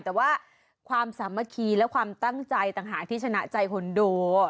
แต่ว่าความสามัคคีและความตั้งใจต่างหากที่ชนะใจคนดู